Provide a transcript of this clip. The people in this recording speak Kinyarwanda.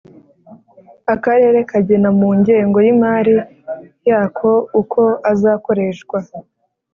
Akarere kagena mu ngengo y’imari yako uko azakoreshwa